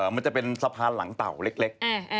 มันจะเป็นสะพานหลังเต่าเล็ก